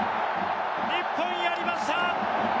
日本、やりました！